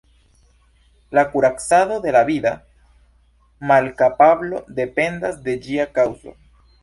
La kuracado de la vida malkapablo dependas de ĝia kaŭzo.